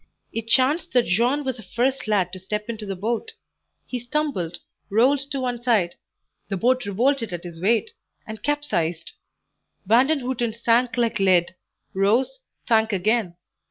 It chanced that Jean was the first lad to step into the boat; he stumbled, rolled to one side, the boat revolted at his weight and capsized. Vandenhuten sank like lead, rose, sank again.